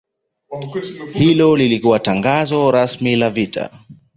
Hilo lilikuwa tangazo rasmi la vita